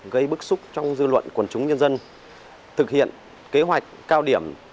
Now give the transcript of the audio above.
gây bức xúc trong dư luận của chúng nhân dân